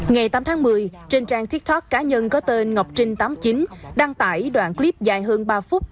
ngày tám tháng một mươi trên trang tiktok cá nhân có tên ngọc trinh tám mươi chín đăng tải đoạn clip dài hơn ba phút